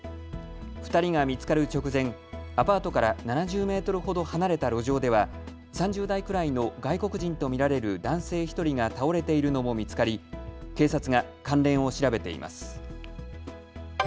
２人が見つかる直前、アパートから７０メートルほど離れた路上では３０代くらいの外国人と見られる男性１人が倒れているのも見つかり警察が関連を調べています。